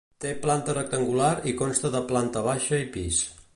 Té planta rectangular i consta de planta baixa i pis.